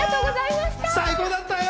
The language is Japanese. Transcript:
最高だったよ！